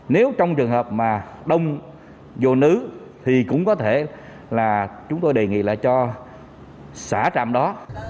nếu trong trường hợp mà đông vô nứ thì cũng có thể là chúng tôi đề nghị là cho xã trạm đó